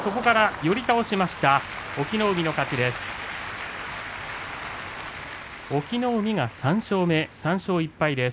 寄り倒し、隠岐の海の勝ちです。